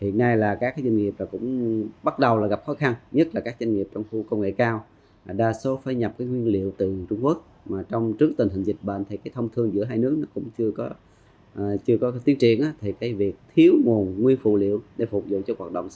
tại khu nói chung đặc biệt là các doanh nghiệp trong khu công nghiệp cao